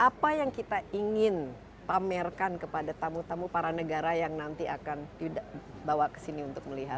apa yang kita ingin pamerkan kepada tamu tamu para negara yang nanti akan dibawa ke sini untuk melihat